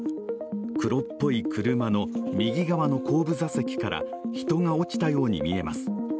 黒っぽい車の右側の後部座席から人が落ちたように見えます。